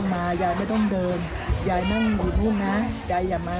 ไม่ต้องมายายไม่ต้องเดินยายอยากอย่างนั้นยายอยากมานะ